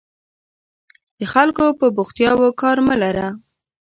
د خلکو په بوختیاوو کار مه لره.